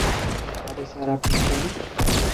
আরে, স্যার আপনি এখানে?